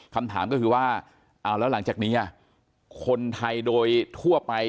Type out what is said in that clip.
คำถามก็คือว่าเอาแล้วหลังจากนี้คนไทยโดยทั่วไป